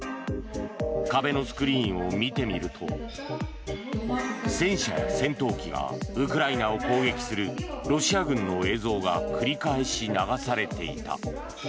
壁のスクリーンを見てみると戦車や戦闘機がウクライナを攻撃するロシア軍の映像が繰り返し流されていた。